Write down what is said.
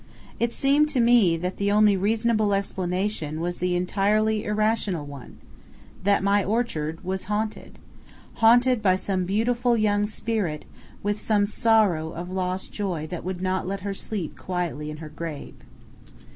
It seemed to me that the only reasonable explanation was the entirely irrational one that my orchard was haunted: haunted by some beautiful young spirit, with some sorrow of lost joy that would not let her sleep quietly in her grave.